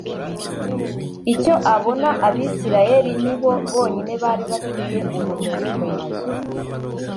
icyo abona Abisirayeli ni bo bonyine bari bafite urumuri mu mazu